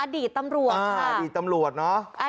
อดีตตำรวจค่ะอดีตตำรวจเนอะ